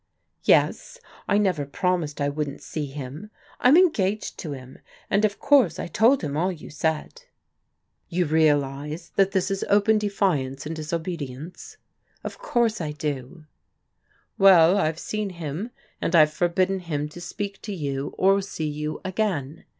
" Yes. I never promised I wouldn't see him. I'm en gaged to him, and of course I told him all you said." '*You realize that this is open defiance and disobedi ence?" " Of course I do." " Well, I've seen him, and I've forbidden him to speak to you, or see you again.